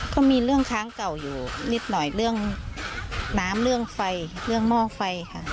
ก็มีเรื่องค้างเก่าอยู่นิดหน่อยเรื่องน้ำเรื่องไฟเรื่องหม้อไฟค่ะ